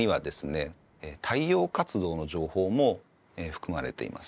太陽活動の情報も含まれています。